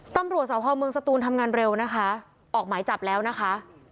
ตำรวจสพเมืองสตูนทำงานเร็วนะคะออกหมายจับแล้วนะคะ